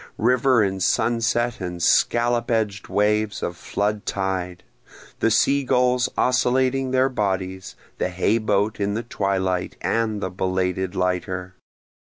River and sunset and scallop edg'd waves of flood tide? The sea gulls oscillating their bodies, the hay boat in the twilight, and the belated lighter?